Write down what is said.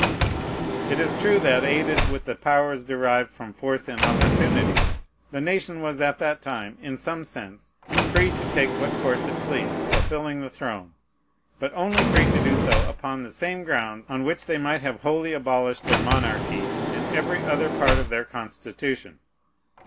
It is true, that, aided with the powers derived from force and opportunity, the nation was at that time, in some sense, free to take what course it pleased for filling the throne, but only free to do so upon the same grounds on which they might have wholly abolished their monarchy, and every other part of their Constitution.